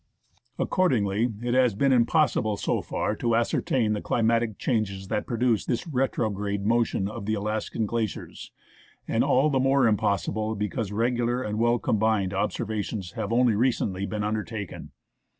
Accordingly it has been impossible, so far, to ascertain the climatic changes that produce this retrograde motion of the Alaskan glaciers, and all the more impossible because regular and well combined observations have only been recently undertaken.